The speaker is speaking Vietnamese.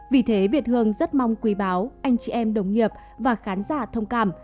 vì thế việt hương rất mong quý báo anh chị em đồng nghiệp và khán giả thông cảm